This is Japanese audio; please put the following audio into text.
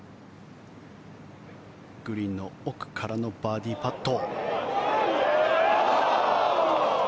グリーンの奥からのバーディーパット。